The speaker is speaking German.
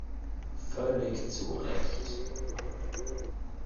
Völlig zu Recht.